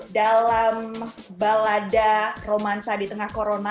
dalam balada romansa di tengah corona